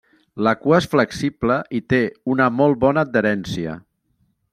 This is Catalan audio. La cua és flexible i té una molt bona adherència.